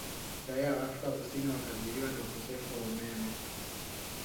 Raia wa Afrika kusini wakabiliwa na ukosefu wa umeme.